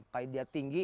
kayak dia tinggi